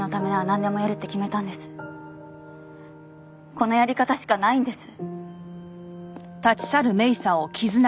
このやり方しかないんです。